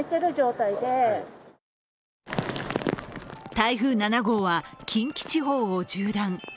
台風７号は近畿地方を縦断。